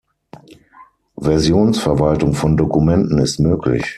Versionsverwaltung von Dokumenten ist möglich.